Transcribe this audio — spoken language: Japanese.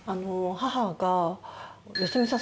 母が良純さん